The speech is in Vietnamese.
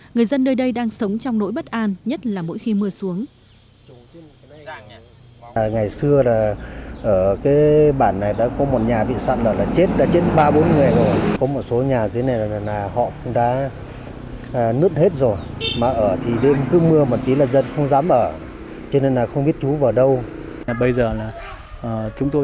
người dân nơi đây đang sống trong nỗi bất an nhất là mỗi khi mưa xuống